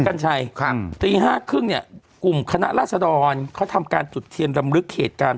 กัญชัยครับตีห้าครึ่งเนี่ยกลุ่มคณะราษดรเขาทำการจุดเทียนรำลึกเหตุการณ์